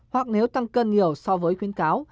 hoặc nếu tăng cân nhiều so với khuyến cáo